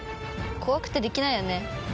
怖くてできないよね。